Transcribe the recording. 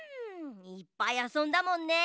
いっぱいあそんだもんね。